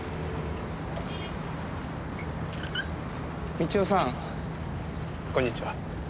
美千代さんこんにちは。